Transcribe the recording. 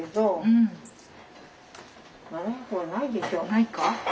ないか？